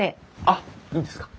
あっいいんですか？